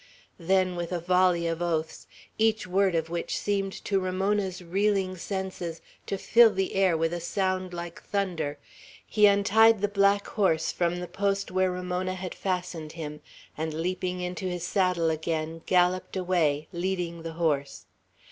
Then with a volley of oaths, each word of which seemed to Ramona's reeling senses to fill the air with a sound like thunder, he untied the black horse from the post where Ramona had fastened him, and leaping into his saddle again, galloped away, leading the horse.